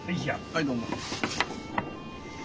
はいどうも。